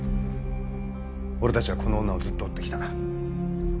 俺たちはこの女をずっと追って来た。